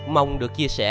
mong được chia sẻ